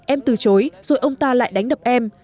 em từ chối rồi ông ta lại đánh đập em